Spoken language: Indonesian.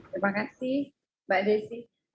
terima kasih mbak desi